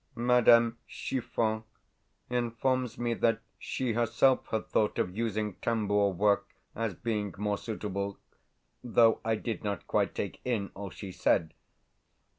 Madame Chiffon informs me that she herself had thought of using tambour work as being more suitable (though I did not quite take in all she said).